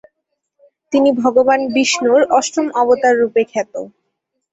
তিনি ভগবান বিষ্ণুর অষ্টম অবতার রূপে খ্যাত।